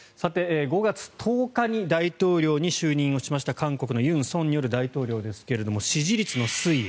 ５月１０日に大統領に就任しました韓国の尹錫悦大統領ですが支持率の推移